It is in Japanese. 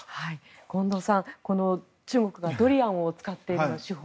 近藤さん、中国のドリアンを使っての、この手法